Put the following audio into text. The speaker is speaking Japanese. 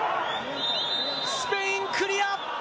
スペイン、クリア。